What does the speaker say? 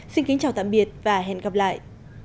xin kính chào tạm biệt và hẹn gặp lại